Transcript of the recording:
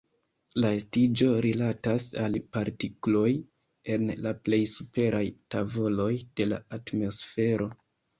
La estiĝo rilatas al partikloj en la plej superaj tavoloj de la atmosfero.